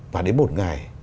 và đến một ngày